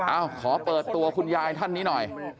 ขอเปิดตัวคุณยายท่านนี้หน่อย